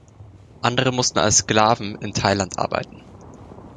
Andere mussten als Sklaven in Thailand arbeiten.